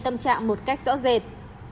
tâm trạng một cách rõ rệt